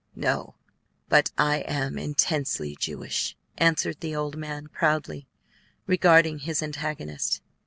"No; but I am intensely Jewish," answered the old man, proudly regarding his antagonist.